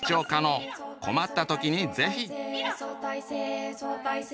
困った時にぜひ！